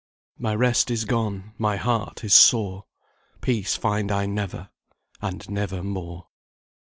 "My rest is gone, My heart is sore, Peace find I never, And never more."